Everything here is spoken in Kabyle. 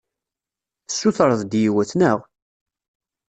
Tessutreḍ-d yiwet, naɣ?